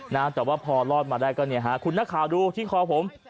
นะแต่ว่าพอรอดมาได้ก็เนี่ยฮะคุณนักข่าวดูที่คอผม